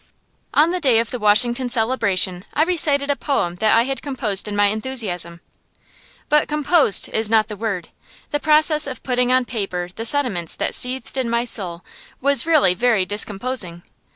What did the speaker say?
On the day of the Washington celebration I recited a poem that I had composed in my enthusiasm. But "composed" is not the word. The process of putting on paper the sentiments that seethed in my soul was really very discomposing.